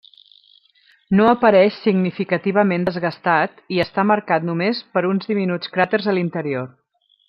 No apareix significativament desgastat, i està marcat només per uns diminuts cràters a l'interior.